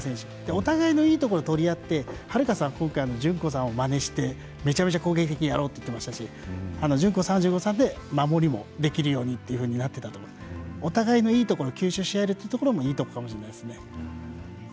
お互いのいいところを取り合って、悠さんは今回順子さんのまねをしてめちゃめちゃ攻撃的にやろうって言ってましたし順子さんは守りもできるようにっていうふうになっていたのでお互いのいいところを吸収しあえるのもいいところかもしれないです。